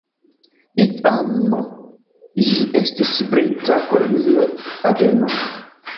Iam ĝi estis brita Kolonio Adeno.